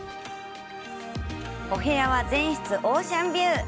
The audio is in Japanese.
お部屋は全室オーシャンビュー！